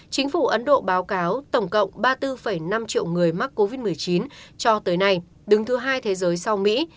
chính phủ ấn độ báo cáo tổng cộng ba mươi bốn năm triệu người mắc covid một mươi chín cho tới nay đứng thứ hai thế giới sau mỹ